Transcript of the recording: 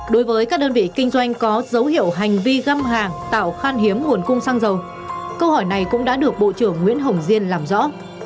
đối với các đơn vị kinh doanh có dấu hiệu hành vi găm hàng tạo khan hiếm nguồn cung xăng dầu câu hỏi này cũng đã được bộ trưởng nguyễn hồng diên làm rõ